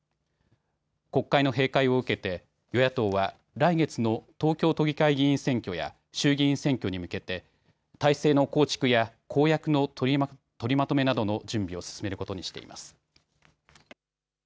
国会の閉会を受けて与野党は来月の東京都議会議員選挙や衆議院選挙に向けて体制の構築や公約の取りまとめなどの準備を進めることにしています。